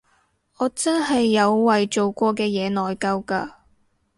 我真係有為做過嘅嘢內疚㗎